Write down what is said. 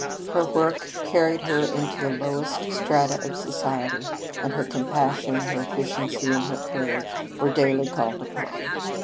Her work carried her into the lowest strata of society, and her compassion, her efficiency, and her courage were daily called upon.